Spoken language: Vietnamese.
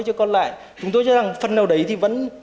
chứ còn lại chúng tôi chắc là phần nào đấy thì vẫn